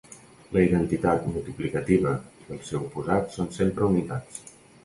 La identitat multiplicativa i el seu oposat són sempre unitats.